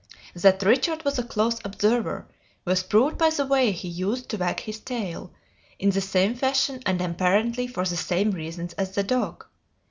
That Richard was a close observer was proved by the way he used to wag his tail, in the same fashion and apparently for the same reasons as the dog.